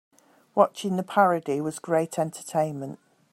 Watching the parody was great entertainment.